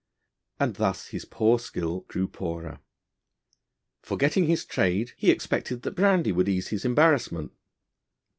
And thus his poor skill grew poorer: forgetting his trade, he expected that brandy would ease his embarrassment.